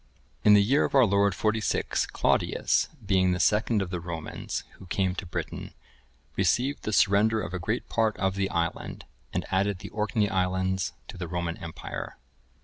[I, 2.] In the year of our Lord, 46, Claudius, being the second of the Romans who came to Britain, received the surrender of a great part of the island, and added the Orkney islands to the Roman empire.